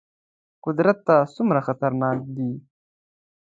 قدرت ته څومره خطرناک دي.